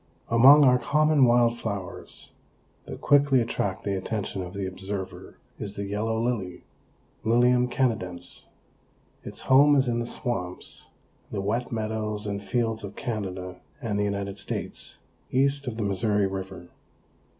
Among our common wild flowers, that quickly attract the attention of the observer is the Yellow Lily (Lilium canadense). Its home is in the swamps, the wet meadows and fields of Canada and the United States, east of the Missouri river.